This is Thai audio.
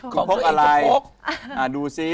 ของตัวเองจะพกดูซิ